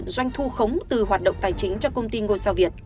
doanh thu khống từ hoạt động tài chính cho công ty ngôi sao việt